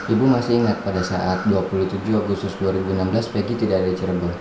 ibu masih ingat pada saat dua puluh tujuh agustus dua ribu enam belas peggy tidak ada di cirebon